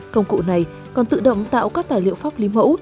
công cụ này còn tự động tạo các tài liệu pháp lý mẫu